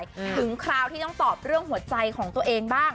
ถึงคราวที่ต้องตอบเรื่องหัวใจของตัวเองบ้าง